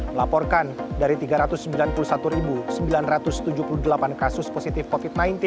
melaporkan dari tiga ratus sembilan puluh satu sembilan ratus tujuh puluh delapan kasus positif covid sembilan belas